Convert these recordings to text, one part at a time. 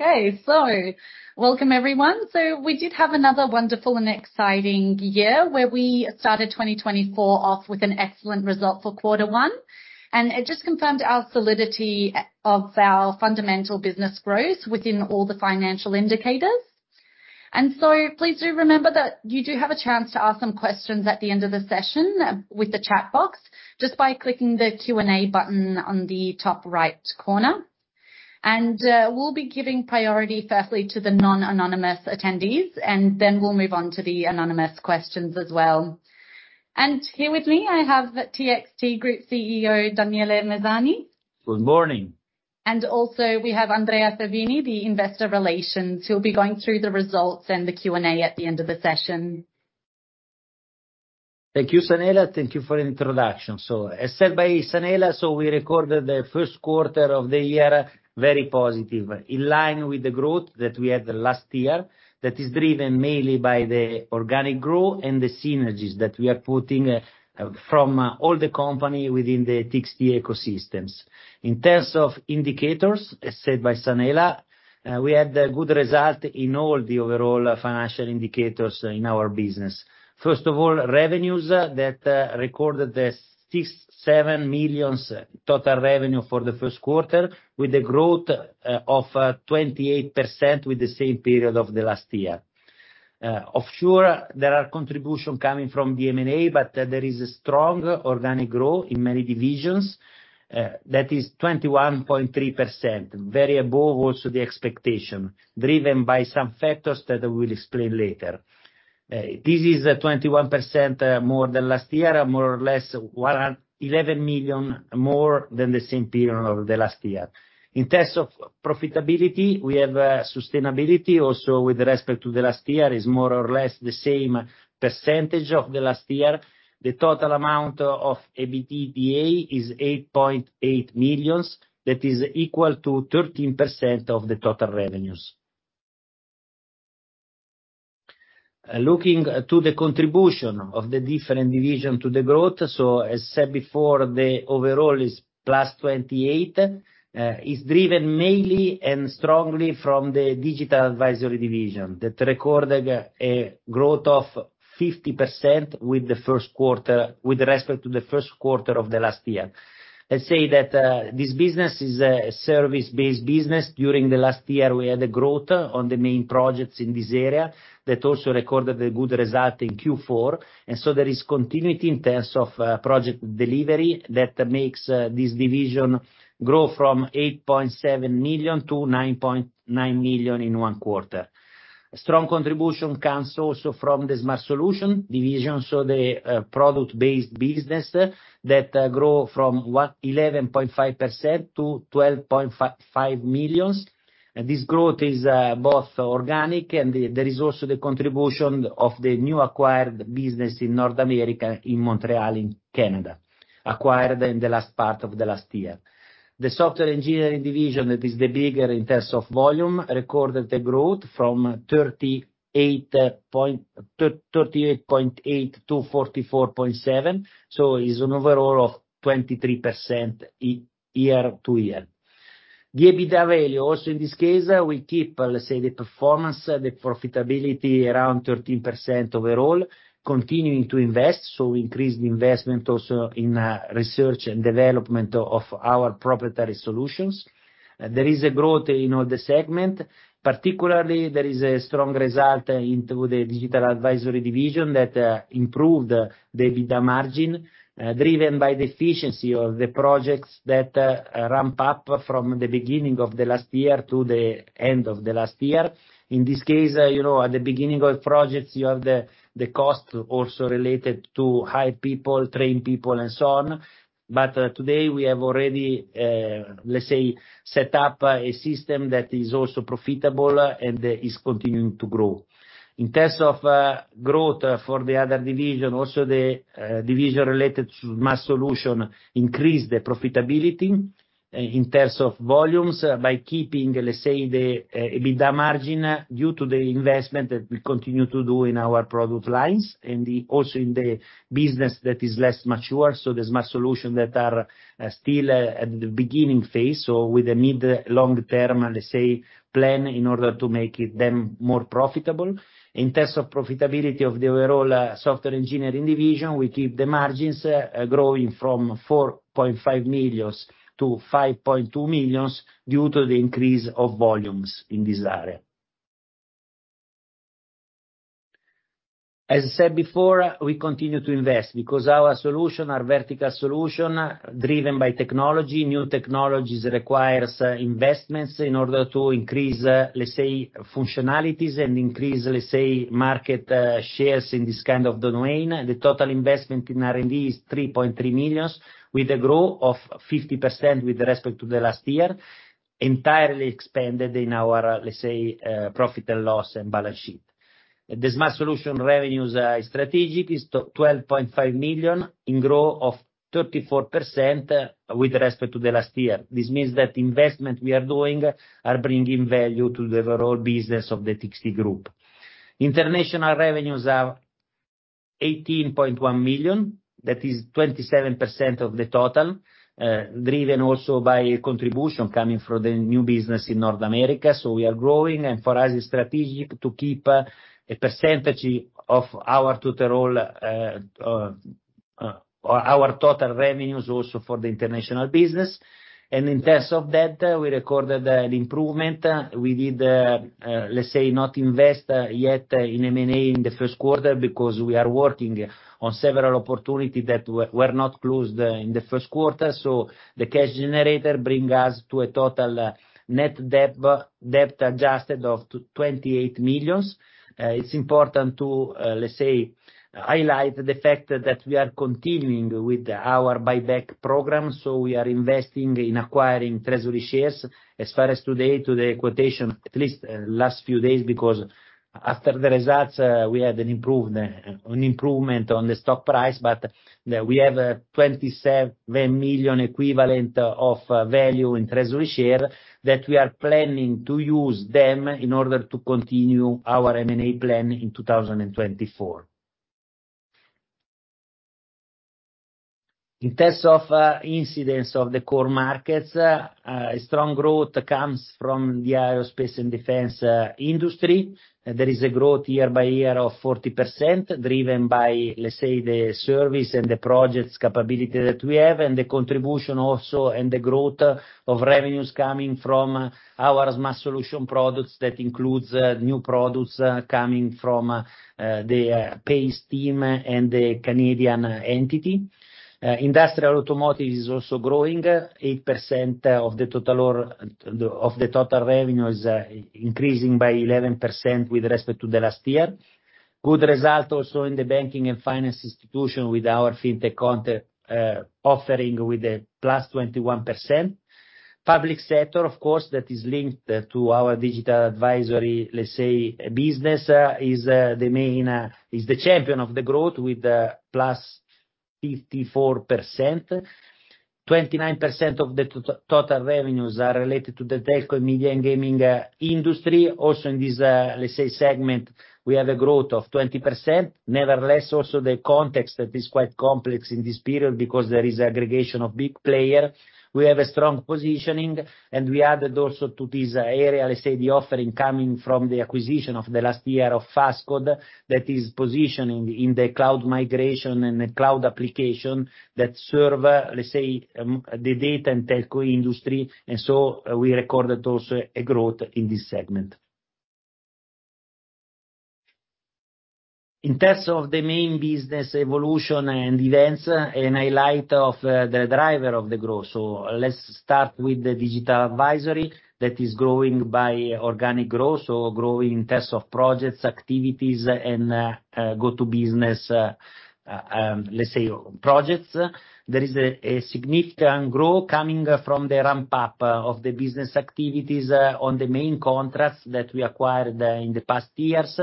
Okay, sorry. Welcome, everyone. So we did have another wonderful and exciting year where we started 2024 off with an excellent result for Quarter 1, and it just confirmed our solidity of our fundamental business growth within all the financial indicators. And so please do remember that you do have a chance to ask some questions at the end of the session with the chat box just by clicking the Q&A button on the top right corner. And we'll be giving priority firstly to the non-anonymous attendees, and then we'll move on to the anonymous questions as well. And here with me, I have TXT Group CEO Daniele Misani. Good morning. And also we have Andrea Favini, the Investor Relations, who'll be going through the results and the Q&A at the end of the session. Thank you, Sanela. Thank you for the introduction. So as said by Sanela, we recorded the first quarter of the year very positive, in line with the growth that we had last year, that is driven mainly by the organic growth and the synergies that we are putting from all the company within the TXT ecosystems. In terms of indicators, as said by Sanela, we had good results in all the overall financial indicators in our business. First of all, revenues that recorded 67 million total revenue for the first quarter, with a growth of 28% with the same period of the last year. Of course, there are contributions coming from M&A, but there is a strong organic growth in many divisions that is 21.3%, very above also the expectation, driven by some factors that we will explain later. This is 21% more than last year, more or less 11 million more than the same period of the last year. In terms of profitability, we have sustainability also with respect to the last year, is more or less the same percentage of the last year. The total amount of EBITDA is 8.8 million, that is equal to 13% of the total revenues. Looking to the contribution of the different divisions to the growth, so as said before, the overall is +28, is driven mainly and strongly from the Digital Advisory Division, that recorded a growth of 50% with respect to the first quarter of the last year. Let's say that this business is a service-based business. During the last year, we had a growth on the main projects in this area that also recorded a good result in Q4. There is continuity in terms of project delivery that makes this division grow from 8.7 million to 9.9 million in one quarter. Strong contribution comes also from the Smart Solutions Division, so the product-based business that grew from 11.5 million to 12.5 million. This growth is both organic and there is also the contribution of the newly acquired business in North America in Montreal, in Canada, acquired in the last part of the last year. The Software Engineering Division, that is the bigger in terms of volume, recorded a growth from 38.8 to 44.7, so it's an overall of 23% year-over-year. The EBITDA value, also in this case, we keep, let's say, the performance, the profitability around 13% overall, continuing to invest, so we increase the investment also in research and development of our proprietary solutions. There is a growth in all the segments. Particularly, there is a strong result in the Digital Advisory Division that improved the EBITDA margin, driven by the efficiency of the projects that ramp up from the beginning of the last year to the end of the last year. In this case, at the beginning of projects, you have the cost also related to hire people, train people, and so on. But today, we have already, let's say, set up a system that is also profitable and is continuing to grow. In terms of growth for the other division, also the division related to Smart Solutions increased the profitability in terms of volumes by keeping, let's say, the EBITDA margin due to the investment that we continue to do in our product lines and also in the business that is less mature. So the Smart Solutions that are still at the beginning phase, so with a mid-long term, let's say, plan in order to make them more profitable. In terms of profitability of the overall Software Engineering Division, we keep the margins growing from 4.5 million to 5.2 million due to the increase of volumes in this area. As said before, we continue to invest because our solutions are vertical solutions driven by technology. New technologies require investments in order to increase, let's say, functionalities and increase, let's say, market shares in this kind of domain. The total investment in R&D is 3.3 million with a growth of 50% with respect to the last year, entirely expended in our, let's say, profit and loss and balance sheet. The Smart Solutions revenues are strategic, it's 12.5 million in growth of 34% with respect to the last year. This means that investments we are doing are bringing value to the overall business of the TXT Group. International revenues are 18.1 million, that is 27% of the total, driven also by contributions coming from the new business in North America. So we are growing, and for us, it's strategic to keep a percentage of our total revenues also for the international business. And in terms of that, we recorded an improvement. We did, let's say, not invest yet in M&A in the first quarter because we are working on several opportunities that were not closed in the first quarter. So the cash generator brings us to a total net debt adjusted of 28 million. It's important to, let's say, highlight the fact that we are continuing with our buyback program. So we are investing in acquiring treasury shares as far as today, to the quotation, at least the last few days because after the results, we had an improvement on the stock price, but we have 27 million equivalent of value in treasury shares that we are planning to use them in order to continue our M&A plan in 2024. In terms of incidence of the core markets, a strong growth comes from the aerospace and defense industry. There is a growth year by year of 40% driven by, let's say, the service and the projects capability that we have and the contribution also and the growth of revenues coming from our Smart Solutions products that includes new products coming from the PACE team and the Canadian entity. Industrial automotive is also growing. 8% of the total revenue is increasing by 11% with respect to the last year. Good result also in the banking and finance institution with our fintech offering with a +21%. Public sector, of course, that is linked to our digital advisory, let's say, business is the champion of the growth with +54%. 29% of the total revenues are related to the telco and media and gaming industry. Also in this, let's say, segment, we have a growth of 20%. Nevertheless, also the context that is quite complex in this period because there is an aggregation of big players. We have a strong positioning and we added also to this area, let's say, the offering coming from the acquisition of the last year of FastCode that is positioning in the cloud migration and the cloud application that serve, let's say, the data and telco industry. And so we recorded also a growth in this segment. In terms of the main business evolution and events and highlight of the driver of the growth, so let's start with the digital advisory that is growing by organic growth, so growing in terms of projects, activities, and go-to-business, let's say, projects. There is a significant growth coming from the ramp-up of the business activities on the main contracts that we acquired in the past years,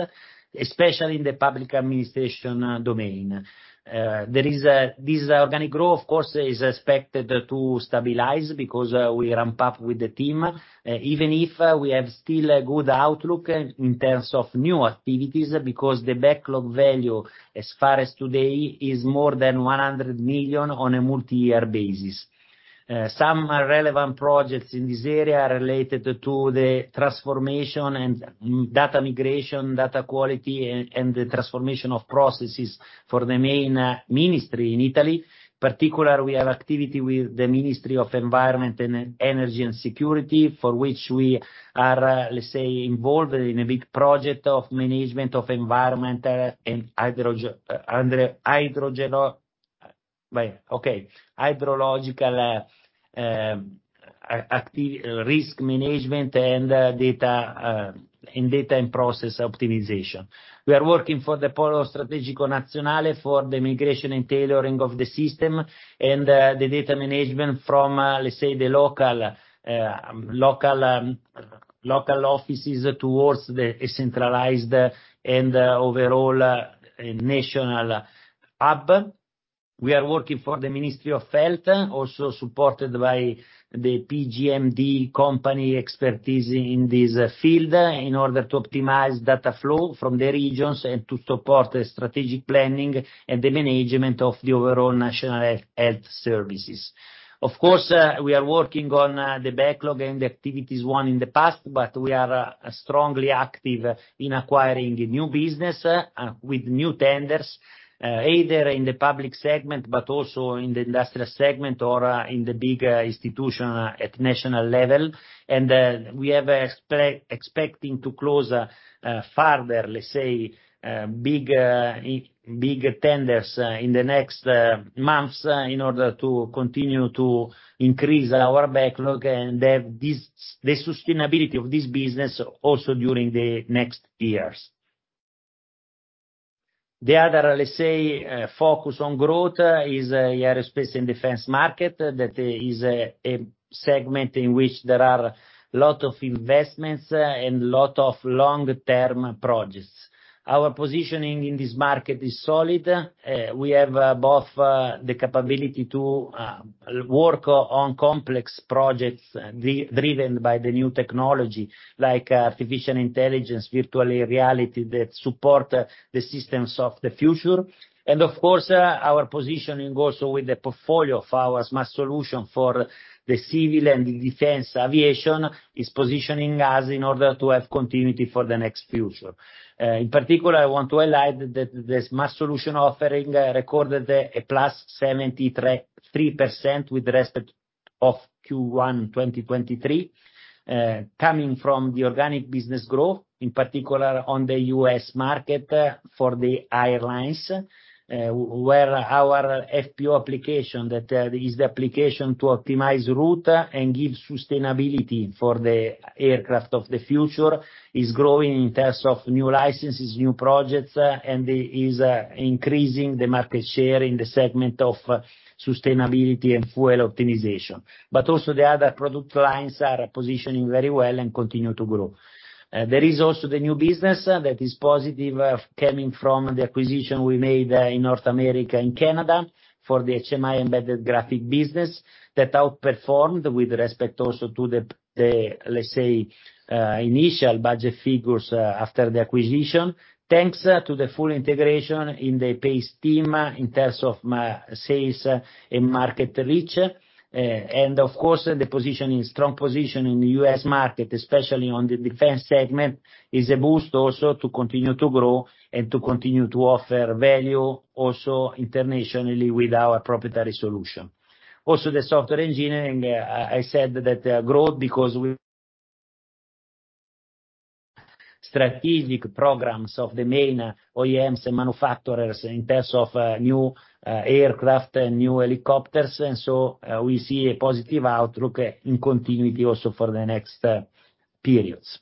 especially in the public administration domain. This organic growth, of course, is expected to stabilize because we ramp up with the team, even if we have still a good outlook in terms of new activities because the backlog value as far as today is more than 100 million on a multi-year basis. Some relevant projects in this area are related to the transformation and data migration, data quality, and the transformation of processes for the main ministry in Italy. In particular, we have activity with the Ministry of Environment and Energy and Security for which we are, let's say, involved in a big project of management of environment and hydrological risk management and data and process optimization. We are working for the Polo Strategico Nazionale for the migration and tailoring of the system and the data management from, let's say, the local offices towards the decentralized and overall national hub. We are working for the Ministry of Health, also supported by the PGMD company expertise in this field in order to optimize data flow from the regions and to support strategic planning and the management of the overall national health services. Of course, we are working on the backlog and the activities won in the past, but we are strongly active in acquiring new business with new tenders, either in the public segment, but also in the industrial segment or in the big institution at national level. We are expecting to close further, let's say, big tenders in the next months in order to continue to increase our backlog and have the sustainability of this business also during the next years. The other, let's say, focus on growth is the aerospace and defense market that is a segment in which there are a lot of investments and a lot of long-term projects. Our positioning in this market is solid. We have both the capability to work on complex projects driven by the new technology like artificial intelligence, virtual reality, that supports the systems of the future. Of course, our positioning also with the portfolio of our Smart Solutions for the civil and the defense aviation is positioning us in order to have continuity for the next future. In particular, I want to highlight that the Smart Solutions offering recorded a +73% with respect to Q1 2023, coming from the organic business growth, in particular on the U.S. market for the airlines, where our FPO application, that is the application to optimize route and give sustainability for the aircraft of the future, is growing in terms of new licenses, new projects, and is increasing the market share in the segment of sustainability and fuel optimization. But also the other product lines are positioning very well and continue to grow. There is also the new business that is positive coming from the acquisition we made in North America and Canada for the HMI embedded graphic business that outperformed with respect also to the, let's say, initial budget figures after the acquisition, thanks to the full integration in the PACE team in terms of my sales and market reach. And of course, the positioning, strong position in the U.S. market, especially on the defense segment, is a boost also to continue to grow and to continue to offer value also internationally with our proprietary solution. Also, the software engineering, I said that growth because we have strategic programs of the main OEMs and manufacturers in terms of new aircraft and new helicopters. And so we see a positive outlook in continuity also for the next periods.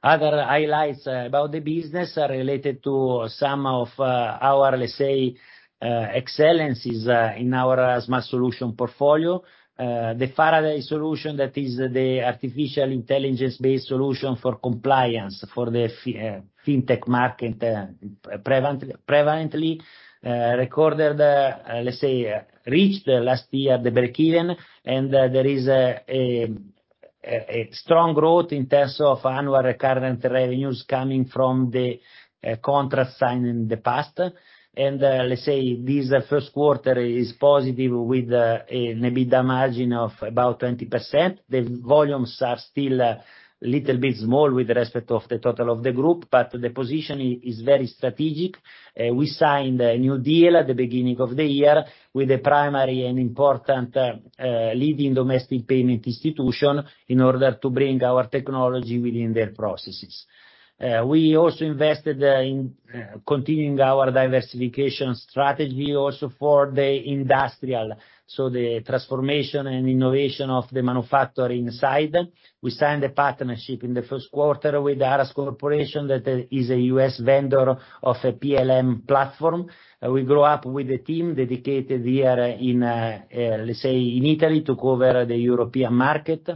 Other highlights about the business are related to some of our, let's say, excellences in our Smart Solution portfolio. The Faraday solution, that is the artificial intelligence-based solution for compliance for the fintech market, preventively recorded, let's say, reached last year the breakeven. There is a strong growth in terms of annual recurrent revenues coming from the contracts signed in the past. And, let's say, this first quarter is positive with an EBITDA margin of about 20%. The volumes are still a little bit small with respect to the total of the group, but the positioning is very strategic. We signed a new deal at the beginning of the year with a primary and important leading domestic payment institution in order to bring our technology within their processes. We also invested in continuing our diversification strategy also for the industrial, so the transformation and innovation of the manufacturer inside. We signed a partnership in the first quarter with Aras Corporation, that is a U.S. vendor of a PLM platform. We grew up with a team dedicated here in, let's say, in Italy to cover the European market.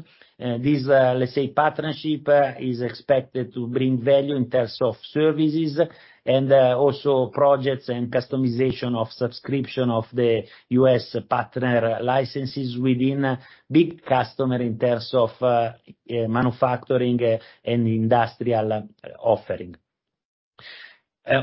This, let's say, partnership is expected to bring value in terms of services and also projects and customization of subscription of the U.S. partner licenses within big customers in terms of manufacturing and industrial offering.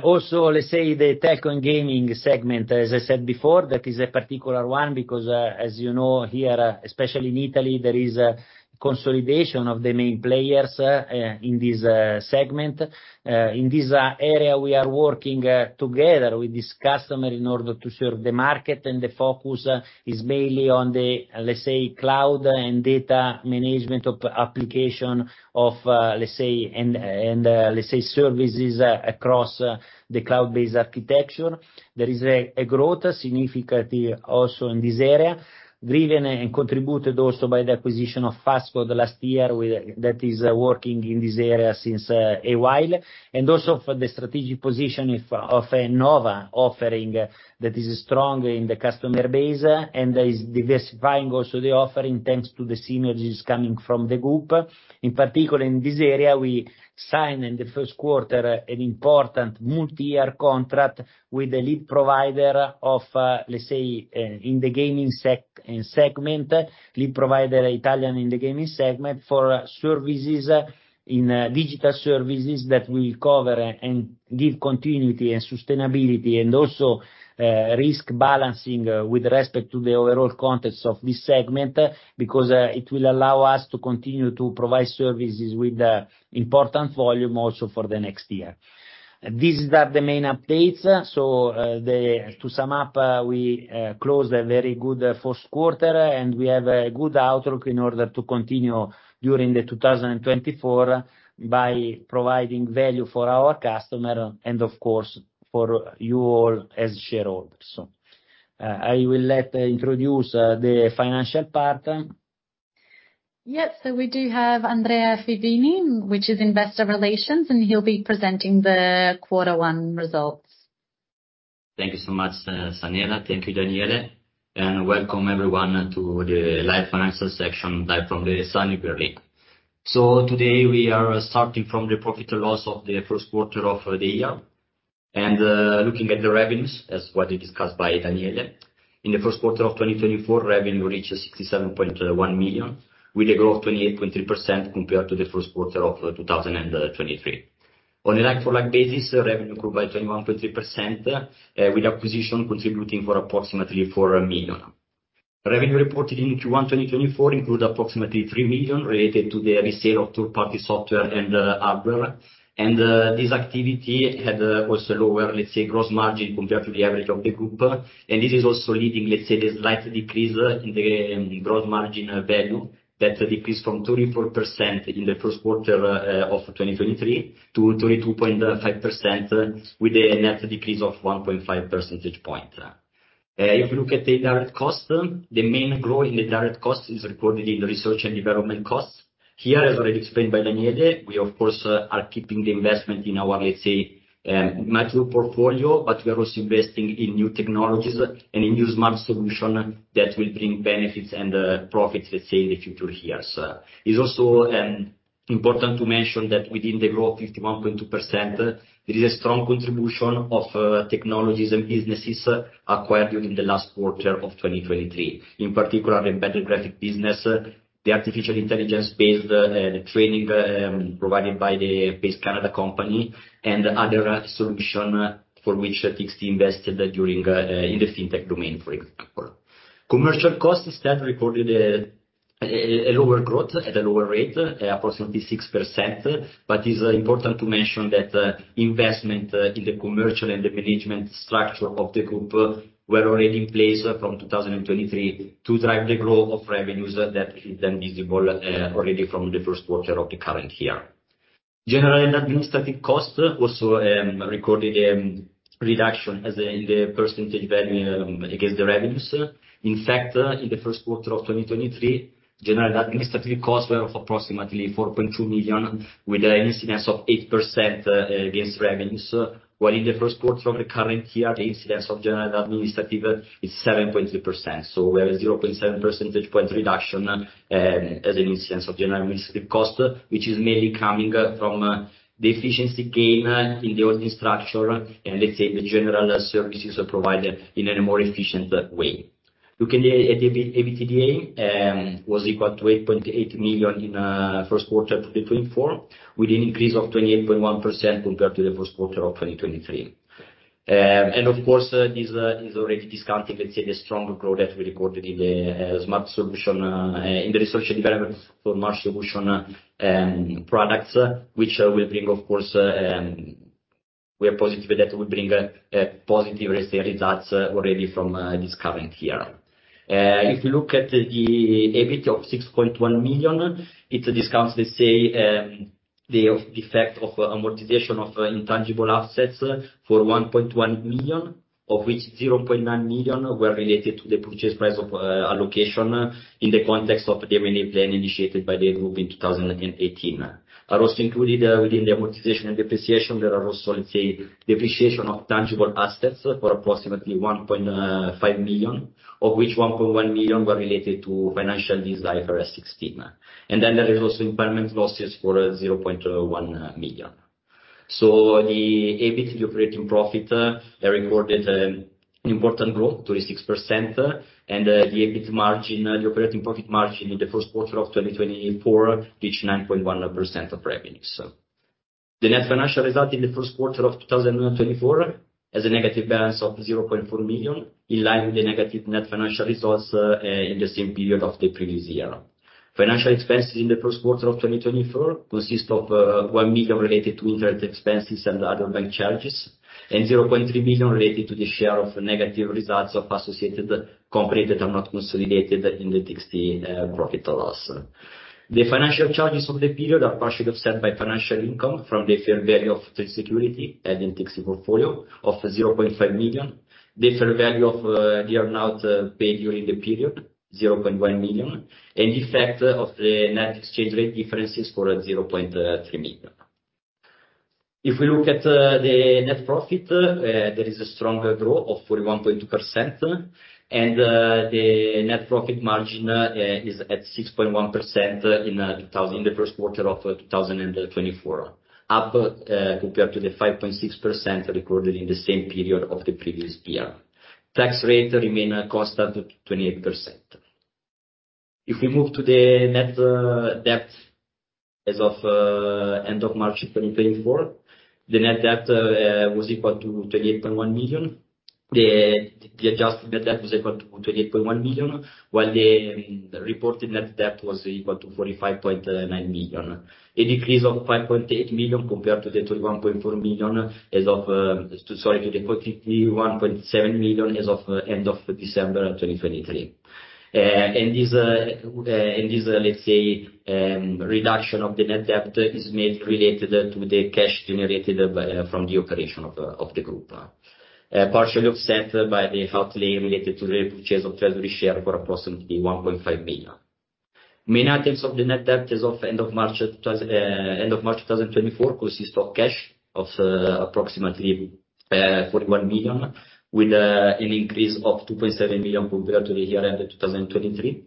Also, let's say, the telco and gaming segment, as I said before, that is a particular one because, as you know, here, especially in Italy, there is a consolidation of the main players in this segment. In this area, we are working together with this customer in order to serve the market, and the focus is mainly on the, let's say, cloud and data management of application of, let's say, and let's say services across the cloud-based architecture. There is a growth significantly also in this area, driven and contributed also by the acquisition of FastCode last year, that is working in this area since a while. Also for the strategic position of Innova offering that is strong in the customer base and is diversifying also the offer in terms of the synergies coming from the group. In particular, in this area, we signed in the first quarter an important multi-year contract with a lead provider of, let's say, in the gaming segment, lead provider Italian in the gaming segment for services in digital services that will cover and give continuity and sustainability and also risk balancing with respect to the overall context of this segment because it will allow us to continue to provide services with important volume also for the next year. These are the main updates. So, to sum up, we closed a very good first quarter and we have a good outlook in order to continue during the 2024 by providing value for our customer and, of course, for you all as shareholders. So, I will let introduce the financial part. Yes, so we do have Andrea Favini, which is investor relations, and he'll be presenting the quarter one results. Thank you so much, Sanela. Thank you, Daniele. And welcome everyone to the live financial section live from the Sunnybury League. So today we are starting from the profit and loss of the first quarter of the year and looking at the revenues, as what is discussed by Daniele. In the first quarter of 2024, revenue reached 67.1 million with a growth of 28.3% compared to the first quarter of 2023. On a like-for-like basis, revenue grew by 21.3% with acquisition contributing for approximately 4 million. Revenue reported in Q1 2024 included approximately 3 million related to the resale of third-party software and hardware. And this activity had also a lower, let's say, gross margin compared to the average of the group. And this is also leading, let's say, a slight decrease in the gross margin value that decreased from 34% in the first quarter of 2023 to 32.5% with a net decrease of 1.5 percentage points. If we look at the direct costs, the main growth in the direct costs is recorded in the research and development costs. Here, as already explained by Daniele, we, of course, are keeping the investment in our, let's say, material portfolio, but we are also investing in new technologies and in new smart solutions that will bring benefits and profits, let's say, in the future here. So it's also important to mention that within the growth of 51.2%, there is a strong contribution of technologies and businesses acquired in the last quarter of 2023. In particular, the embedded graphic business, the artificial intelligence-based training provided by the PACE Canada company, and other solutions for which TXT invested during in the fintech domain, for example. Commercial costs instead recorded a lower growth at a lower rate, approximately 6%, but it's important to mention that investment in the commercial and the management structure of the group were already in place from 2023 to drive the growth of revenues that is then visible already from the first quarter of the current year. General and administrative costs also recorded a reduction in the percentage value against the revenues. In fact, in the first quarter of 2023, general and administrative costs were of approximately 4.2 million with an incidence of 8% against revenues, while in the first quarter of the current year, the incidence of general and administrative is 7.3%. So we have a 0.7 percentage point reduction as an incidence of general and administrative costs, which is mainly coming from the efficiency gain in the auditing structure and, let's say, the general services provided in a more efficient way. Looking at the EBITDA, it was equal to 8.8 million in the first quarter of 2024, with an increase of 28.1% compared to the first quarter of 2023. And of course, this is already discounting, let's say, the strong growth that we recorded in the Smart Solutions, in the research and development for mature solutions products, which will bring, of course, we are positive that will bring a positive resale results already from this current year. If you look at the EBIT of 6.1 million, it discounts, let's say, the effect of amortization of intangible assets for 1.1 million, of which 0.9 million were related to the purchase price allocation in the context of the M&A plan initiated by the group in 2018. Also included within the amortization and depreciation, there are also, let's say, depreciation of tangible assets for approximately 1.5 million, of which 1.1 million were related to leases like IFRS 16. And then there is also impairment losses for 0.1 million. So the EBIT, the operating profit, recorded an important growth to 6%, and the EBIT margin, the operating profit margin in the first quarter of 2024, reached 9.1% of revenues. The net financial result in the first quarter of 2024 has a negative balance of 0.4 million, in line with the negative net financial results in the same period of the previous year. Financial expenses in the first quarter of 2024 consist of 1 million related to interest expenses and other bank charges, and 0.3 million related to the share of negative results of associated companies that are not consolidated in the TXT profit and loss. The financial charges of the period are partially offset by financial income from the fair value of trading security added in the TXT portfolio of 0.5 million, the fair value of the earnout paid during the period, 0.1 million, and the effect of the net exchange rate differences for 0.3 million. If we look at the net profit, there is a strong growth of 41.2%, and the net profit margin is at 6.1% in the first quarter of 2024, up compared to the 5.6% recorded in the same period of the previous year. Tax rates remain constant at 28%. If we move to the net debt as of the end of March 2024, the net debt was equal to 28.1 million. The adjusted net debt was equal to 28.1 million, while the reported net debt was equal to 45.9 million. A decrease of 5.8 million compared to the 31.4 million as of, sorry, to the 41.7 million as of the end of December 2023. And this, let's say, reduction of the net debt is made related to the cash generated from the operation of the group, partially offset by the outlay related to the purchase of treasury shares for approximately 1.5 million. Main items of the net debt as of the end of March 2024 consist of cash of approximately 41 million, with an increase of 2.7 million compared to the year-end of 2023.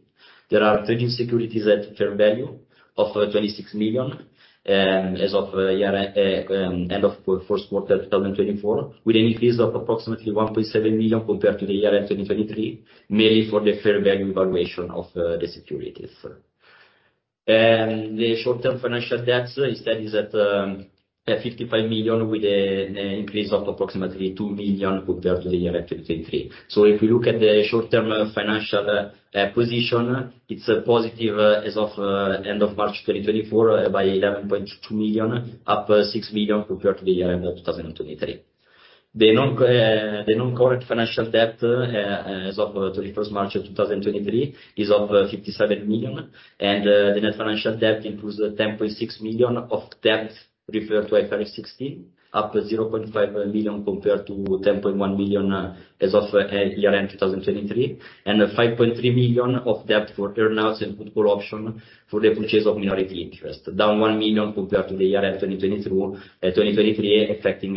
There are trading securities at fair value of 26 million as of the year-end of the first quarter of 2024, with an increase of approximately 1.7 million compared to the year-end of 2023, mainly for the fair value evaluation of the securities. And the short-term financial debt instead is at 55 million, with an increase of approximately 2 million compared to the year-end of 2023. If we look at the short-term financial position, it's positive as of the end of March 2024 by 11.2 million, up 6 million compared to the year-end of 2023. The non-current financial debt as of 31 March 2024 is 57 million, and the net financial debt includes 10.6 million of debt referred to IFRS 16, up 0.5 million compared to 10.1 million as of year-end 2023, and 5.3 million of debt for earnouts and put call options for the purchase of minority interest, down 1 million compared to the year-end 2023 affecting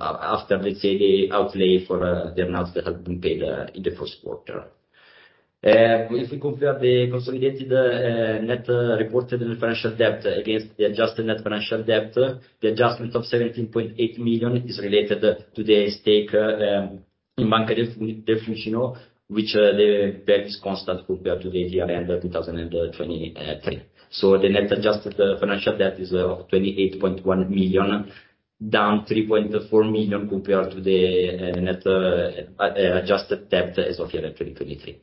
after, let's say, the outlay for earnouts that have been paid in the first quarter. If we compare the consolidated net reported financial debt against the adjusted net financial debt, the adjustment of 17.8 million is related to the stake in Banca del Fucino, which is constant compared to the year-end 2023. So the net adjusted financial debt is of 28.1 million, down 3.4 million compared to the net adjusted debt as of year-end 2023.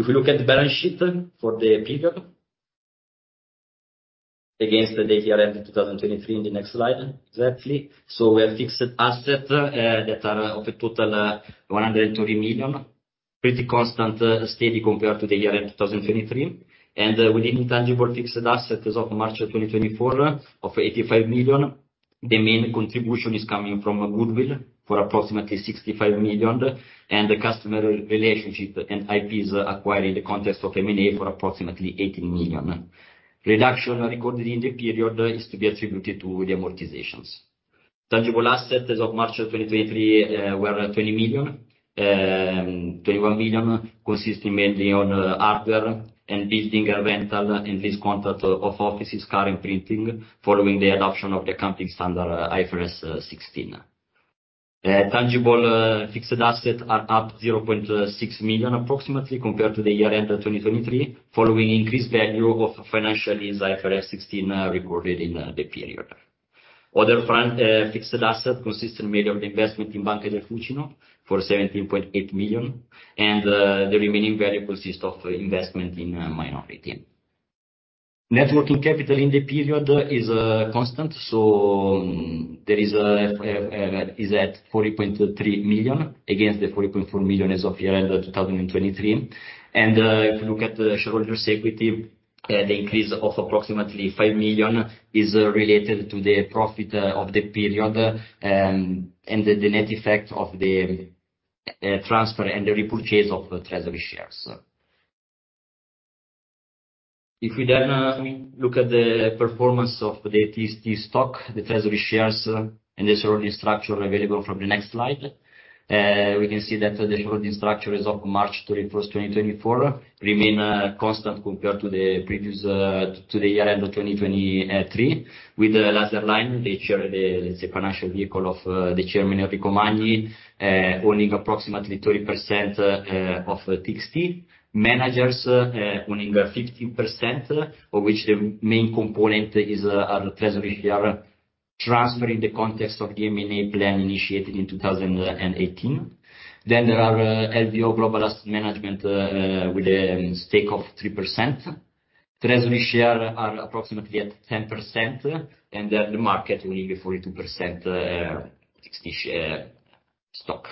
If we look at the balance sheet for the period against the year-end 2023 in the next slide, exactly, so we have fixed assets that are of a total of 130 million, pretty constant, steady compared to the year-end 2023, and within intangible fixed assets as of March 2024 of 85 million, the main contribution is coming from goodwill for approximately 65 million, and the customer relationship and IPs acquired in the context of M&A for approximately 18 million. Reduction recorded in the period is to be attributed to the amortizations. Tangible assets as of March 2024 were 21 million consisting mainly on hardware and building rental and lease contract of offices, car, and printing, following the adoption of the accounting standard IFRS 16. Tangible fixed assets are up 0.6 million approximately compared to the year-end 2023, following increased value of financial lease IFRS 16 recorded in the period. Other fixed assets consist mainly of the investment in Banca del Fucino for 17.8 million, and the remaining value consists of investment in minority. Net working capital in the period is constant, so there is at 40.3 million against the 40.4 million as of year-end 2023, and if you look at the shareholders' equity, the increase of approximately 5 million is related to the profit of the period and the net effect of the transfer and the repurchase of treasury shares. If we then look at the performance of the TXT stock, the treasury shares, and the shareholding structure available from the next slide, we can see that the shareholding structure as of March 31, 2024, remains constant compared to the previous to the year-end of 2023, with the Laserline the share the let's say financial vehicle of the Chairman Enrico Magni owning approximately 30% of TXT, managers owning 15% of which the main component is our treasury share transfer in the context of the M&A plan initiated in 2018. Then there are IVO Global Asset Management with a stake of 3%, treasury shares are approximately at 10%, and then the market owning 42% TXT share stock.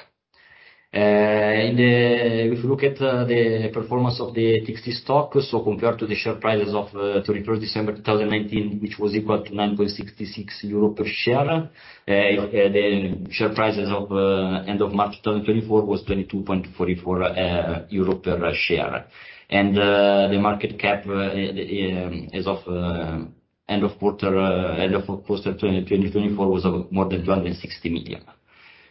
If we look at the performance of the TXT stock, so compared to the share prices of 31 December 2019, which was equal to 9.66 euro per share, the share prices of end of March 2024 was 22.44 euro per share, and the market cap as of end of quarter 2024 was of more than 260 million.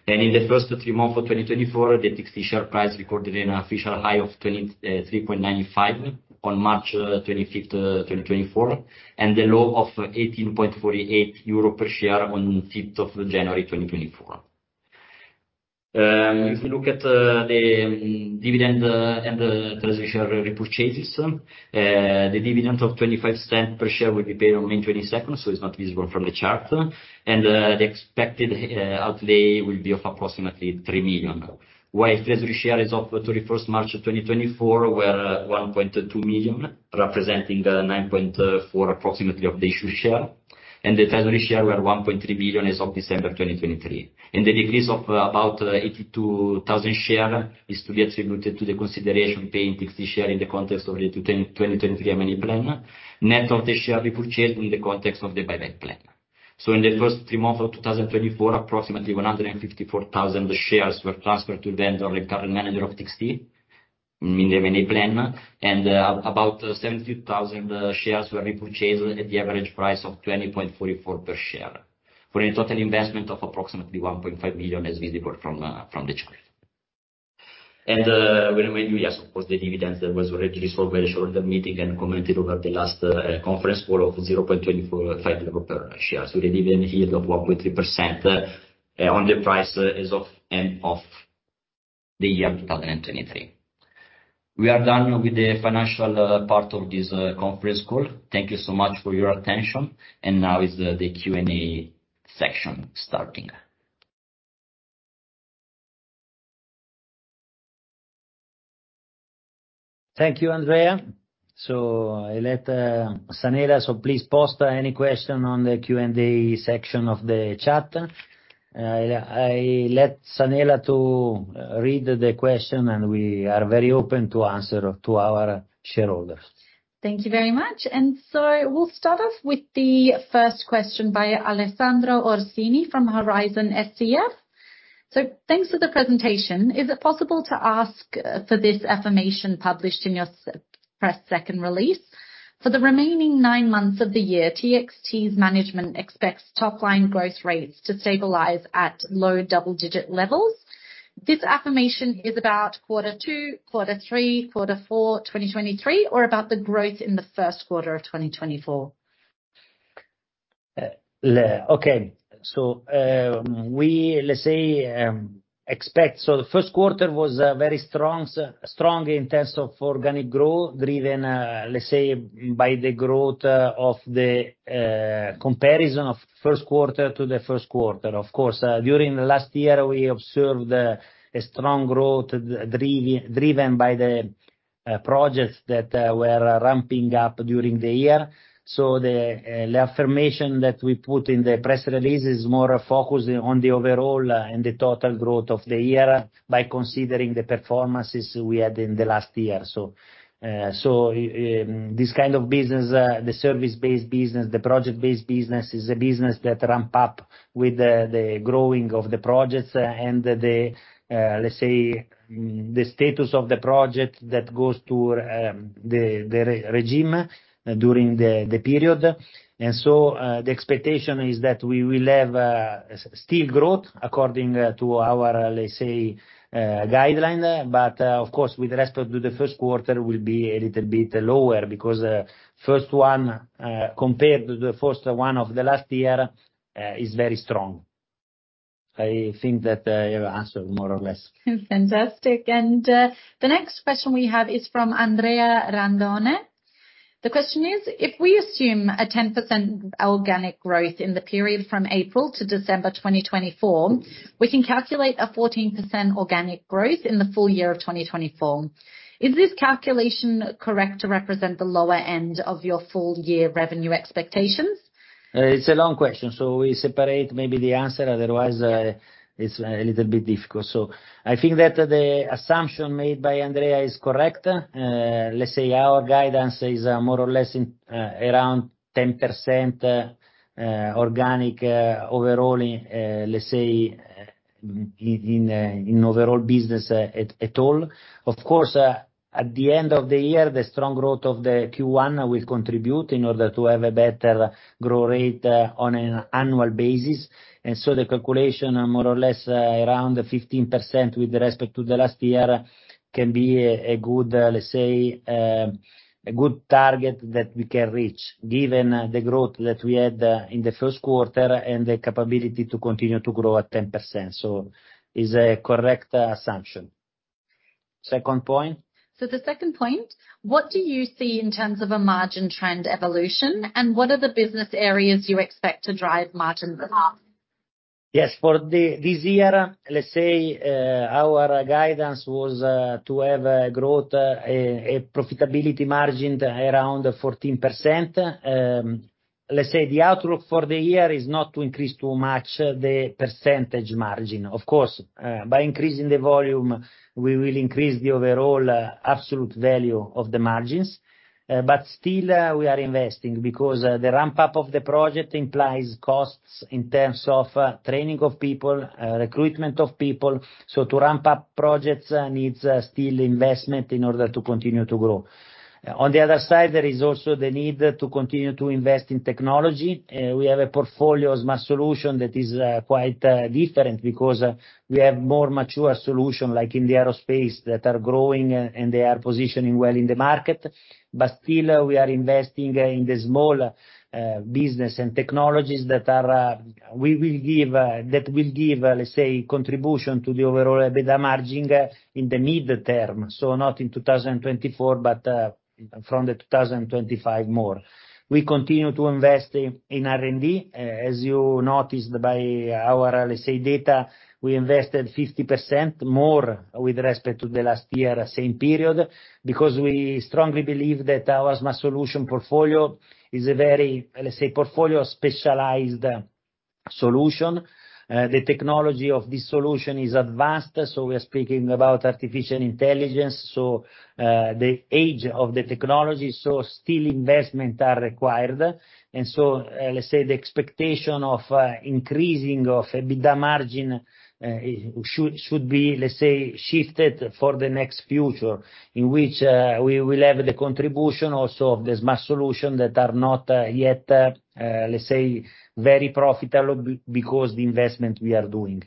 In the first three months of 2024, the TXT share price recorded an official high of 23.95 on March 25, 2024, and the low of 18.48 euro per share on 5th of January 2024. If you look at the dividend and the treasury share repurchases, the dividend of 0.25 per share will be paid on May 22, so it's not visible from the chart, and the expected outlay will be of approximately 3 million, while treasury shares as of 31 March 2024 were 1.2 million, representing approximately 9.4% of the issued shares, and the treasury shares were 1.3 million as of December 2023. The decrease of about 82,000 shares is to be attributed to the consideration paid in TXT shares in the context of the 2023 M&A plan, net of the shares repurchased in the context of the buyback plan. So in the first three months of 2024, approximately 154,000 shares were transferred to the vendor and manager of TXT in the M&A plan, and about 72,000 shares were repurchased at the average price of 20.44 per share, for a total investment of approximately 1.5 million as visible from the chart. And when we yes, of course, the dividends that were already resolved at a shareholders' meeting and communicated over the last conference were of 0.25 per share, so the dividend yield of 1.3% on the price as of end of the year 2023. We are done with the financial part of this conference call. Thank you so much for your attention, and now is the Q&A section starting. Thank you, Andrea. So I let Sanela, so please post any question on the Q&A section of the chat. I'll let Sanela read the question, and we are very open to answer to our shareholders. Thank you very much. So we'll start off with the first question by Alessandro Orsini from Horizon SCF. So thanks for the presentation. Is it possible to ask for this affirmation published in your press release? For the remaining nine months of the year, TXT's management expects top-line growth rates to stabilize at low double-digit levels. This affirmation is about quarter two, quarter three, quarter four 2023, or about the growth in the first quarter of 2024? Okay, so we, let's say, expect, so the first quarter was very strong, strong in terms of organic growth driven, let's say, by the growth of the comparison of first quarter to the first quarter. Of course, during the last year, we observed a strong growth driven by the projects that were ramping up during the year. So the affirmation that we put in the press release is more focused on the overall and the total growth of the year by considering the performances we had in the last year. So this kind of business, the service-based business, the project-based business is a business that ramps up with the growing of the projects and the, let's say, the status of the project that goes to the regime during the period. And so the expectation is that we will have still growth according to our, let's say, guideline, but of course, with respect to the first quarter, it will be a little bit lower because the first one, compared to the first one of the last year, is very strong. I think that you have answered more or less. Fantastic. And the next question we have is from Andrea Randone. The question is, if we assume a 10% organic growth in the period from April to December 2024, we can calculate a 14% organic growth in the full year of 2024. Is this calculation correct to represent the lower end of your full-year revenue expectations? It's a long question, so we separate maybe the answer, otherwise it's a little bit difficult. So I think that the assumption made by Andrea is correct. Let's say our guidance is more or less in around 10% organic overall, let's say, in overall business at all. Of course, at the end of the year, the strong growth of the Q1 will contribute in order to have a better growth rate on an annual basis. The calculation more or less around 15% with respect to the last year can be a good, let's say, a good target that we can reach given the growth that we had in the first quarter and the capability to continue to grow at 10%. So it's a correct assumption. Second point? So the second point, what do you see in terms of a margin trend evolution, and what are the business areas you expect to drive margins up? Yes, for this year, let's say, our guidance was to have a growth, a profitability margin around 14%. Let's say the outlook for the year is not to increase too much the percentage margin. Of course, by increasing the volume, we will increase the overall absolute value of the margins. But still, we are investing because the ramp-up of the project implies costs in terms of training of people, recruitment of people. So to ramp up projects needs still investment in order to continue to grow. On the other side, there is also the need to continue to invest in technology. We have a portfolio of Smart Solutions that is quite different because we have more mature solutions like in the aerospace that are growing and they are positioning well in the market. But still, we are investing in the small business and technologies that will give, let's say, contribution to the overall EBITDA margin in the mid-term. So not in 2024, but from the 2025 more. We continue to invest in R&D. As you noticed by our, let's say, data, we invested 50% more with respect to the last year, same period, because we strongly believe that our Smart Solutions portfolio is a very, let's say, portfolio of specialized solution. The technology of this solution is advanced. So we are speaking about artificial intelligence. So the age of the technology, so still investments are required. And so, let's say, the expectation of increasing of EBITDA margin should be, let's say, shifted for the next future in which we will have the contribution also of the Smart Solutions that are not yet, let's say, very profitable because of the investment we are doing.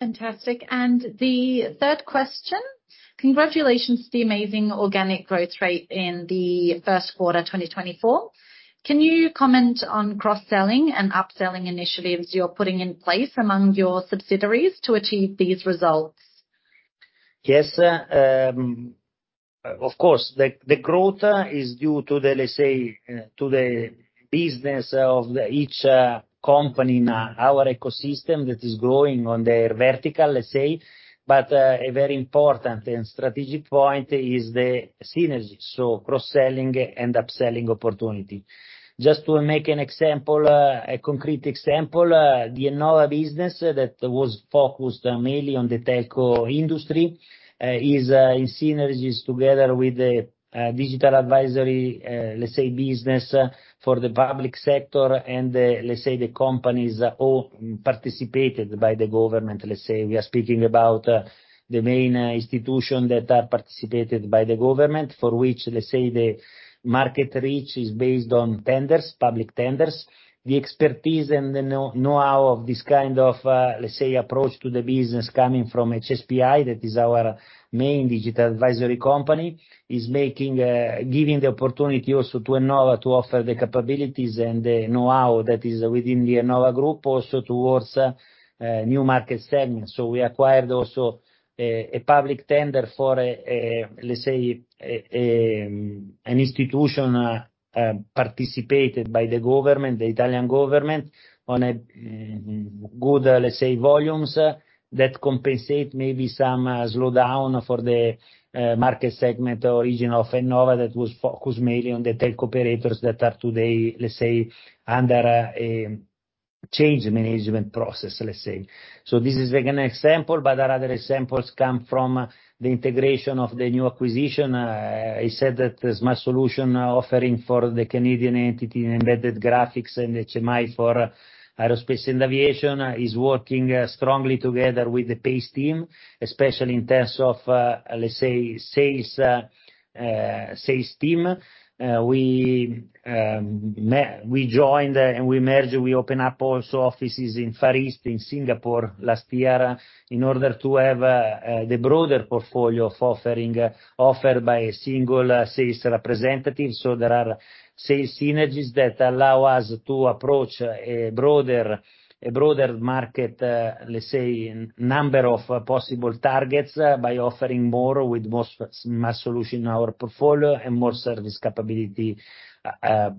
Fantastic. And the third question, congratulations to the amazing organic growth rate in the first quarter 2024. Can you comment on cross-selling and upselling initiatives you're putting in place among your subsidiaries to achieve these results? Yes, of course. The growth is due to the, let's say, to the business of each company in our ecosystem that is growing on their vertical, let's say. But a very important and strategic point is the synergy, so cross-selling and upselling opportunity. Just to make an example, a concrete example, the Innova business that was focused mainly on the telco industry is in synergies together with the digital advisory, let's say, business for the public sector and the, let's say, the companies who participated by the government. Let's say we are speaking about the main institutions that are participated by the government for which, let's say, the market reach is based on tenders, public tenders. The expertise and the know-how of this kind of, let's say, approach to the business coming from HSPI, that is our main digital advisory company, is making giving the opportunity also to Innova to offer the capabilities and the know-how that is within the Innova group also towards new market segments. So we acquired also a public tender for, let's say, an institution participated by the government, the Italian government, on a good, let's say, volumes that compensate maybe some slowdown for the market segment origin of Innova that was focused mainly on the telco operators that are today, let's say, under a change management process, let's say. So this is like an example, but there are other examples come from the integration of the new acquisition. I said that the Smart Solutions offering for the Canadian entity in embedded graphics and the HMI for aerospace and aviation is working strongly together with the PACE team, especially in terms of, let's say, sales team. We joined and we merged. We opened up also offices in Far East, in Singapore last year in order to have the broader portfolio of offering offered by a single sales representative. So there are sales synergies that allow us to approach a broader market, let's say, number of possible targets by offering more with more Smart Solutions in our portfolio and more service capability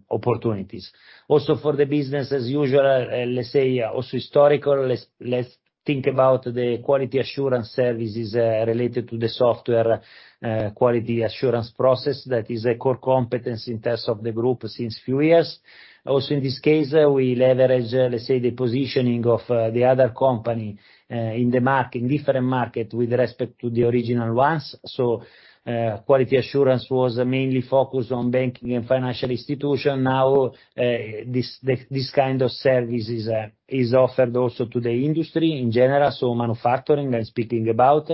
opportunities. Also for the business, as usual, let's say, also historical, let's think about the quality assurance services related to the software quality assurance process that is a core competence in terms of the group since a few years. Also in this case, we leverage, let's say, the positioning of the other company in the market, in different markets with respect to the original ones. So quality assurance was mainly focused on banking and financial institutions. Now, this kind of service is offered also to the industry in general. So manufacturing, I'm speaking about,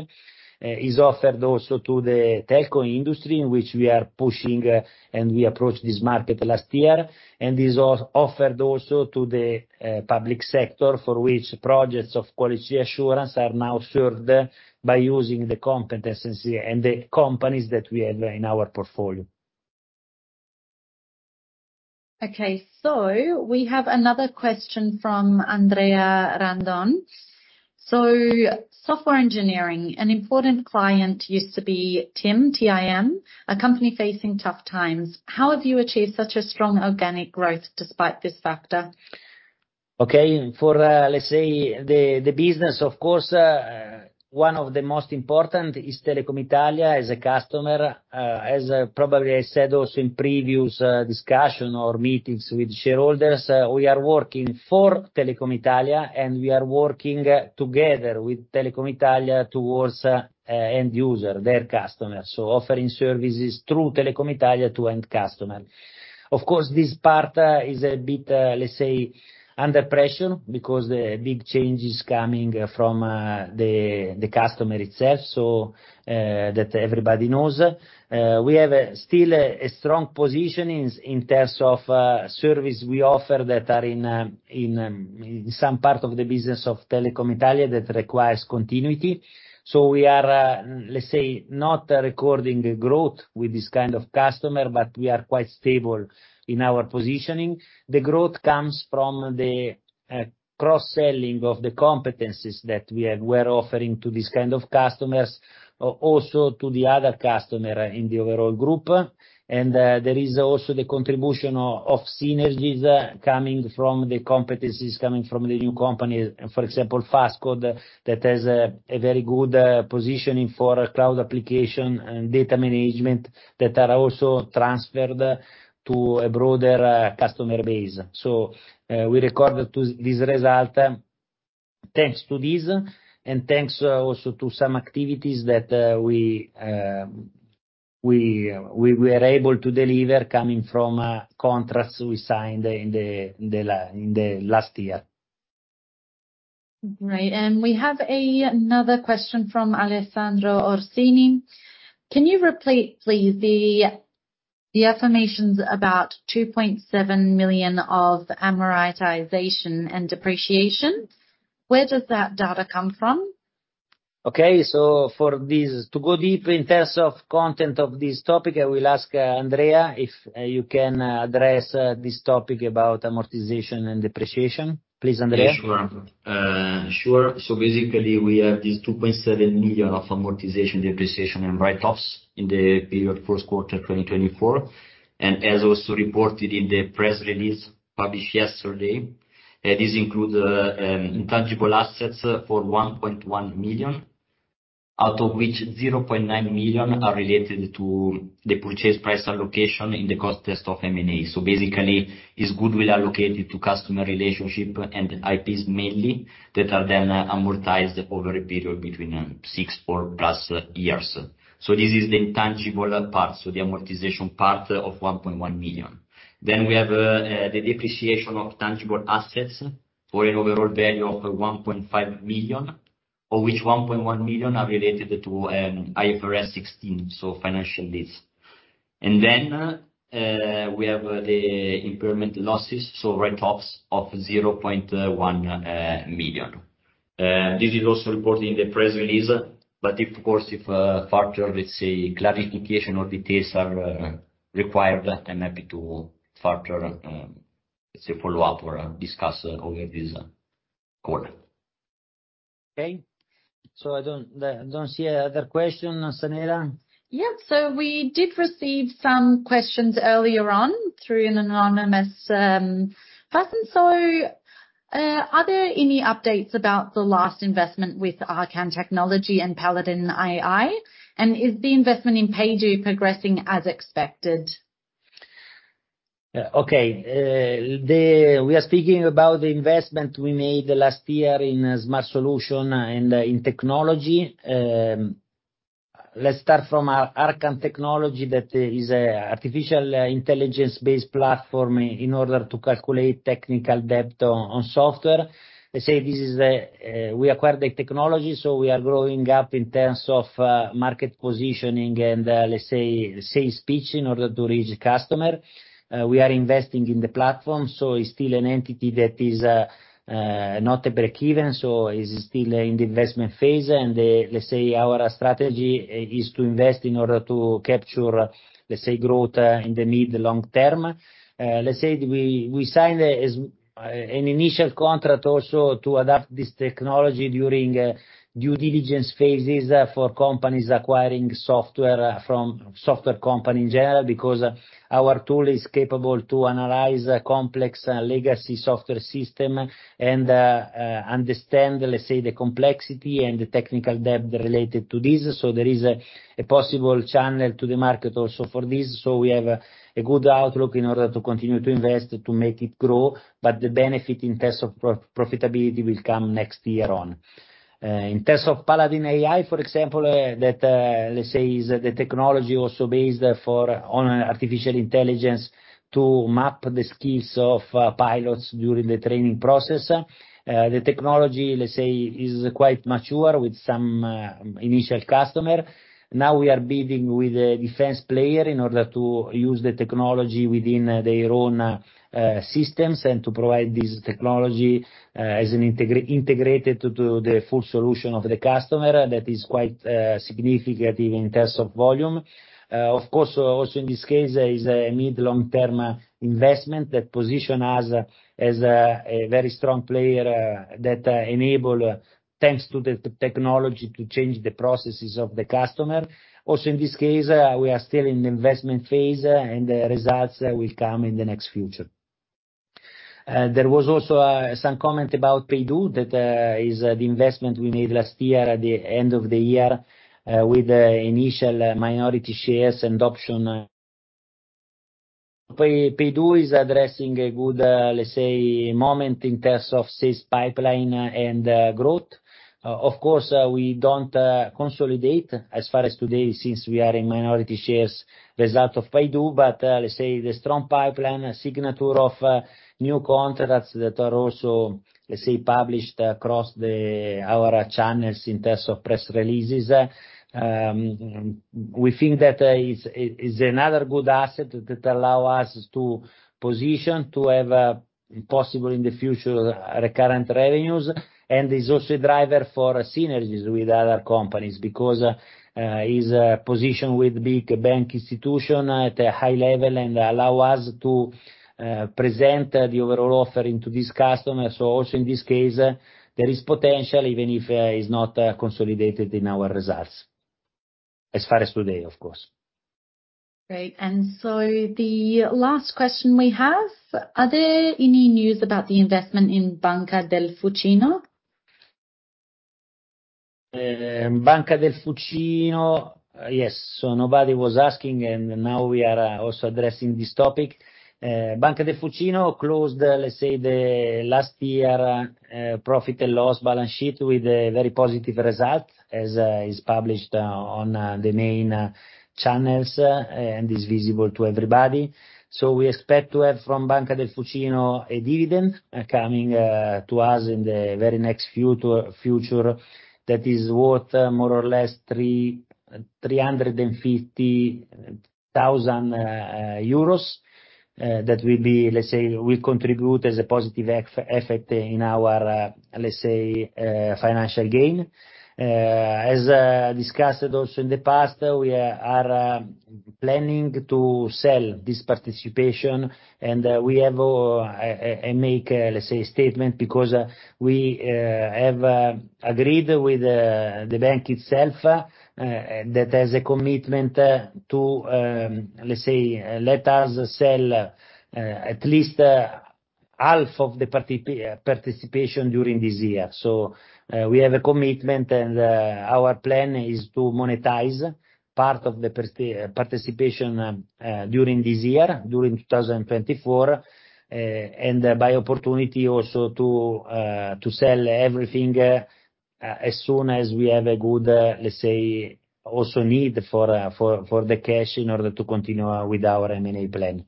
is offered also to the telco industry in which we are pushing and we approached this market last year. And this is offered also to the public sector for which projects of quality assurance are now served by using the competencies and the companies that we have in our portfolio. Okay, so we have another question from Andrea Randone. So software engineering, an important client used to be TIM, a company facing tough times. How have you achieved such a strong organic growth despite this factor? Okay, let's say, the business, of course, one of the most important is Telecom Italia as a customer, as probably I said also in previous discussions or meetings with shareholders. We are working for Telecom Italia and we are working together with Telecom Italia towards end user, their customer. So offering services through Telecom Italia to end customer. Of course, this part is a bit, let's say, under pressure because the big change is coming from the customer itself, so that everybody knows. We have still a strong position in terms of services we offer that are in some part of the business of Telecom Italia that requires continuity. So we are, let's say, not recording growth with this kind of customer, but we are quite stable in our positioning. The growth comes from the cross-selling of the competencies that we were offering to this kind of customers, also to the other customer in the overall group. And there is also the contribution of synergies coming from the competencies coming from the new company, for example, FastCode, that has a very good positioning for cloud application and data management that are also transferred to a broader customer base. So we recorded to this result thanks to this and thanks also to some activities that we were able to deliver coming from contracts we signed in the last year. Right, and we have another question from Alessandro Orsini. Can you replace, please, the affirmations about 2.7 million of amortization and depreciation? Where does that data come from? Okay, so for this, to go deeper in terms of content of this topic, I will ask Andrea if you can address this topic about amortization and depreciation. Please, Andrea. Sure, sure. So basically, we have these 2.7 million of amortization, depreciation, and write-offs in the period first quarter 2024. And as also reported in the press release published yesterday, this includes intangible assets for 1.1 million, out of which 0.9 million are related to the purchase price allocation in the context of M&A. So basically, this goodwill allocated to customer relationships and IPs mainly that are then amortized over a period between 6 or plus years. So this is the intangible part, so the amortization part of 1.1 million. Then we have the depreciation of tangible assets for an overall value of 1.5 million, of which 1.1 million are related to IFRS 16, so financial leases. And then, we have the impairment losses, so write-offs of 0.1 million. This is also reported in the press release, but if, of course, if further, let's say, clarification or details are required, I'm happy to further, let's say, follow up or discuss over this call. Okay, so I don't, I don't see another question, Sanela. Yeah, so we did receive some questions earlier on through an anonymous person. So, are there any updates about the last investment with Arcan Technology and Paladin AI? And is the investment in PayDo progressing as expected? Yeah, okay. We are speaking about the investment we made last year in Smart Solutions and in technology. Let's start from Arcan Technology, that is an artificial intelligence-based platform in order to calculate technical debt on software. Let's say this is the, we acquired the technology, so we are growing up in terms of market positioning and, let's say, sales pitch in order to reach the customer. We are investing in the platform, so it's still an entity that is, not a break-even, so it's still in the investment phase. Let's say, our strategy is to invest in order to capture, let's say, growth in the mid-long term. Let's say we signed an initial contract also to adopt this technology during due diligence phases for companies acquiring software from software companies in general because our tool is capable to analyze complex legacy software systems and, understand, let's say, the complexity and the technical debt related to this. So there is a possible channel to the market also for this. So we have a good outlook in order to continue to invest to make it grow, but the benefit in terms of profitability will come next year on. In terms of Paladin AI, for example, that, let's say is the technology also based on artificial intelligence to map the skills of pilots during the training process. The technology, let's say, is quite mature with some initial customers. Now we are bidding with a defense player in order to use the technology within their own systems and to provide this technology, as integrated to the full solution of the customer. That is quite significant even in terms of volume. Of course, also in this case, it is a mid-long-term investment that positions us as a very strong player that enables, thanks to the technology, to change the processes of the customer. Also in this case, we are still in the investment phase and the results will come in the near future. There was also some comment about PayDo that is the investment we made last year at the end of the year with initial minority shares and options. PayDo is addressing a good, let's say, moment in terms of sales pipeline and growth. Of course, we don't consolidate as far as today since we are in minority shares results of PayDo, but let's say the strong pipeline, signature of new contracts that are also, let's say, published across our channels in terms of press releases. We think that it's another good asset that allows us to position, to have possible in the future recurrent revenues, and it's also a driver for synergies with other companies because it's positioned with big bank institutions at a high level and allows us to, present the overall offering to these customers. So also in this case, there is potential even if it's not consolidated in our results as far as today, of course. Great. And so the last question we have, are there any news about the investment in Banca del Fucino? Banca del Fucino, yes, so nobody was asking and now we are also addressing this topic. Banca del Fucino closed, let's say, the last year profit and loss balance sheet with a very positive result as is published on the main channels and is visible to everybody. So we expect to have from Banca del Fucino a dividend coming to us in the very next future that is worth more or less 350,000 euros that will be, let's say, will contribute as a positive effect in our, let's say, financial gain. As discussed also in the past, we are planning to sell this participation and we have and make, let's say, a statement because we have agreed with the bank itself that has a commitment to, let's say, let us sell at least half of the participation during this year. So we have a commitment and our plan is to monetize part of the participation during this year, during 2024, and by opportunity also to sell everything as soon as we have a good, let's say, also need for the cash in order to continue with our M&A plan.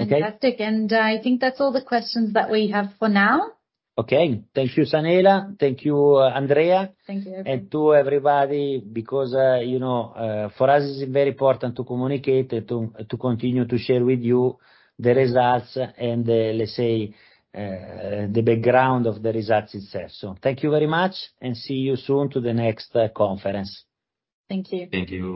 Okay. Fantastic. I think that's all the questions that we have for now. Okay. Thank you, Sanela. Thank you, Andrea. Thank you. And to everybody because, you know, for us it's very important to communicate and to continue to share with you the results and, let's say, the background of the results itself. So thank you very much and see you soon to the next conference. Thank you. Thank you.